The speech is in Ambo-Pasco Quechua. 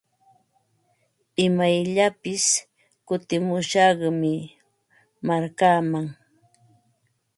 Imayllapis kutimushaqmi markaaman.